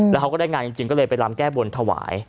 แล้วเขาก็ได้งานจริงก็เลยไปลำแก้บนถวาย